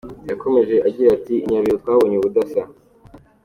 Yakomeje agira ati “I Nyabihu twabonye ubudasa.